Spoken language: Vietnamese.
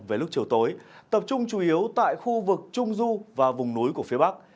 về lúc chiều tối tập trung chủ yếu tại khu vực trung du và vùng núi của phía bắc